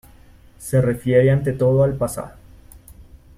Se refiere ante todo al pasado.